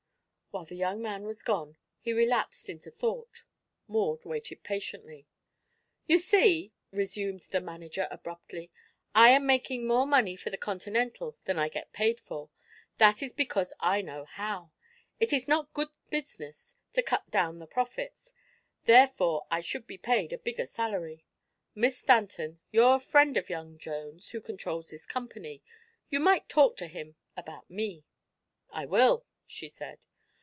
While the young man was gone he relapsed into thought. Maud waited patiently. "You see," resumed the manager abruptly, "I am making more money for the Continental than I get paid for. That is because I know how. It is not good business to cut down the profits; therefore I should be paid a bigger salary. Miss Stanton, you're a friend of young Jones, who controls this company. Yon might talk to him about me." "I will," she said.